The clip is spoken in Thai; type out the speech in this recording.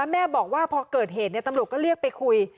แม่บอกว่าพอเกิดเหตุตำรวจก็เรียกไปคุย